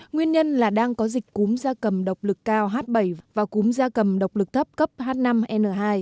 nguyên nhân là đang có dịch cúm da cầm độc lực cao h bảy và cúm da cầm độc lực thấp cấp h năm n hai